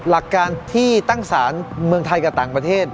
หลักการที่ตั้งสารเมืองไทยกับต่างประเทศ